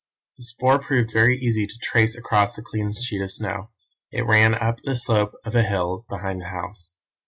The spoor proved very easy to trace across the clean sheet of snow. It ran up the slope of a hill behind the house.